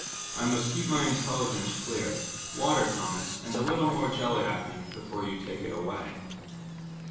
I must keep my intelligence clear. Water, Thomas—and a little more jelly, I think, before you take it away."